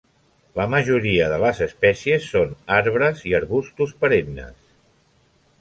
La majoria de les espècies són arbres i arbustos perennes.